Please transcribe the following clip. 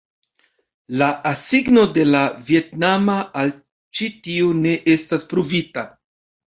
La asigno de la vjetnama al ĉi tiu ne estas pruvita.